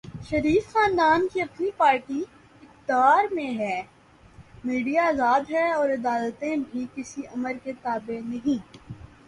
شریف خاندان کی اپنی پارٹی اقتدار میں ہے، میڈیا آزاد ہے اور عدالتیں بھی کسی آمر کے تابع نہیں۔